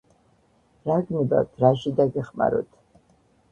რა გნებავთ რაში დაგეხმაროთ